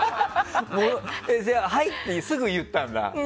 はいってすぐ言ったんだ。